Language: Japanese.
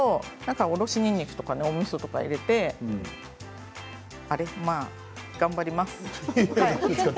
おろしにんにくとかおみそとか入れて頑張ります。